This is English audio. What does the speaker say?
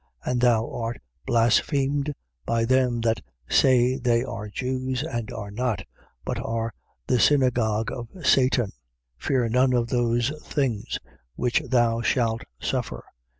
And thou art blasphemed by them that say they are Jews and are not, but are the synagogue of Satan. 2:10. Fear none of those things which thou shalt suffer.